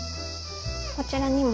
こちらにも。